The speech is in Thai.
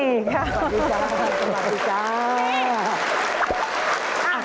สวัสดีค่ะสวัสดีจ้า